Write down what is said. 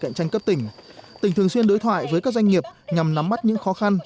cạnh tranh cấp tỉnh tỉnh thường xuyên đối thoại với các doanh nghiệp nhằm nắm bắt những khó khăn